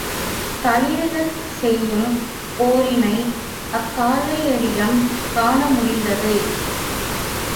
களிறுகள் செய்யும் போரினை அக்காளையரிடம் காணமுடிந்தது.